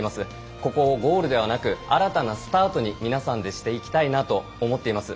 ここをゴールではなく新たなスタートに皆さんでしていきたいなと思っています。